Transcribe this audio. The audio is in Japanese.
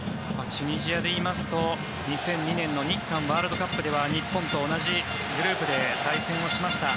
チュニジアで言いますと２００２年の日韓ワールドカップでは日本と同じグループで対戦しました。